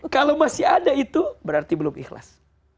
kalau masih ada itu berarti belum ikhlas